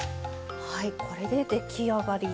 はいこれで出来上がり。